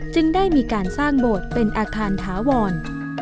จึงได้มีการสร้างโบสถ์เป็นอาคารถาวร